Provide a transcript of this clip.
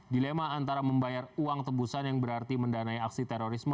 dilema antara membayar uang tebusan yang berarti mendanai aksi terorisme